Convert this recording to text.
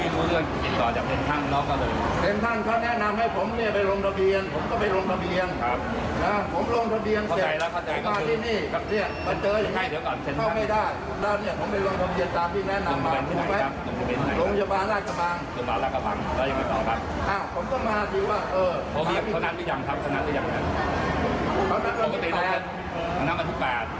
กูบอกจริงเป็นสมัยว่าอาชีพเจียงให้มาฉีดได้